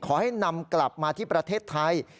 ขอให้นำกลับมาที่ประเทศไทย